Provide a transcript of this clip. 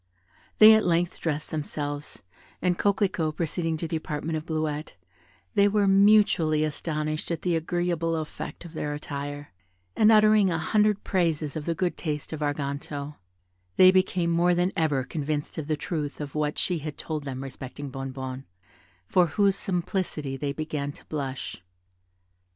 They at length dressed themselves, and Coquelicot proceeding to the apartment of Bleuette, they were mutually astonished at the agreeable effect of their attire, and uttering a hundred praises of the good taste of Arganto, they became more than ever convinced of the truth of what she had told them respecting Bonnebonne, for whose simplicity they began to blush.